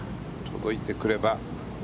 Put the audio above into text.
届いてくれば。